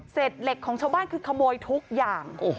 เหล็กของชาวบ้านคือขโมยทุกอย่าง